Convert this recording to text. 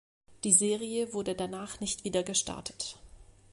Die Serie wurde danach nicht wieder gestartet.